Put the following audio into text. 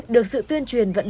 được sự tuyên truyền vận động